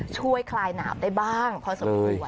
ช่วยคลายหนาวได้บ้างพอสมมติวันนี้